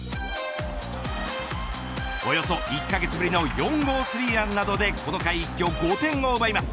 およそ１カ月ぶりの４号３ランなどでこの回一挙５点を奪います。